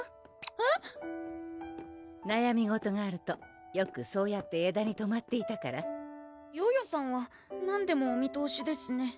えっ⁉なやみ事があるとよくそうやって枝に止まっていたからヨヨさんは何でもお見通しですね